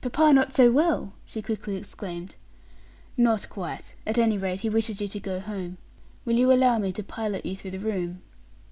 "Papa not so well!" she quickly exclaimed. "Not quite. At any rate, he wishes you to go home. Will you allow me to pilot you through the room?"